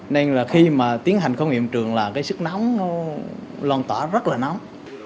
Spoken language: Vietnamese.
nên là khi mà tiến hành không hiện trường là cái sức nóng lòng tỏa rất là nóng